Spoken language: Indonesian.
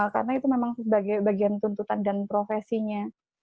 karena itu memang bagian tuntutan dan profesinya